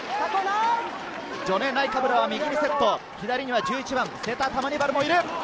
ジョネ・ナイカブラが右にセット、左にはセタ・タマニバルもいる。